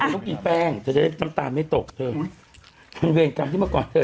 ต้องกินแป้งเธอจะได้น้ำตาลไม่ตกเธอเป็นเวรกรรมที่เมื่อก่อนเธอ